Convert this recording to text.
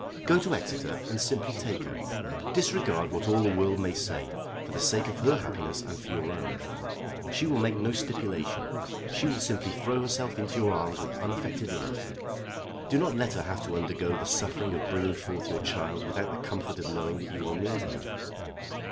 "Go to Exeter, and simply take her. Disregard what all the world may say, for the sake of her happiness and for your own. She will make no stipulation. She will simply throw herself into your arms with unaffected love. Do not let her have to undergo the suffering of bringing forth your child without the comfort of knowing that you are near to her."